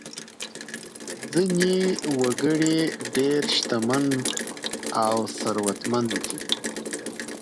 ځینې وګړي ډېر شتمن او ثروتمند دي.